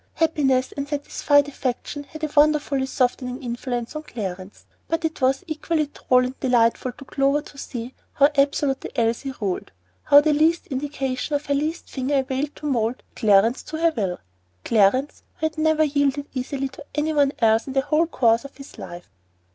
Happiness and satisfied affection had a wonderfully softening influence on Clarence, but it was equally droll and delightful to Clover to see how absolutely Elsie ruled, how the least indication of her least finger availed to mould Clarence to her will, Clarence, who had never yielded easily to any one else in the whole course of his life!